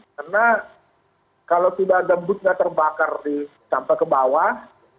karena kalau tidak gembut tidak terbakar sampai ke bawah